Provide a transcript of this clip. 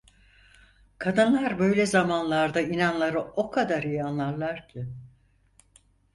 Kadınlar böyle zamanlarda inanları o kadar iyi anlarlar ki!